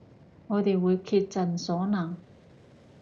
我哋會竭盡所能